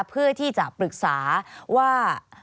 เพื่อที่จะปรึกษาว่า